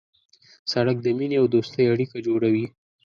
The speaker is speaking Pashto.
سړک د مینې او دوستۍ اړیکه جوړوي.